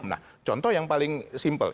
nah contoh yang paling simpel